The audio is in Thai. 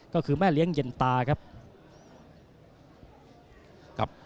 ก็คือแม่เลี้ยงเย็นตาครับ